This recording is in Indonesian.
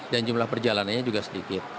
dan jumlah perjalanannya juga sedikit